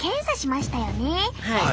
はい。